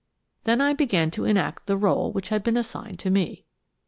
Then I began to enact the rôle which had been assigned to me.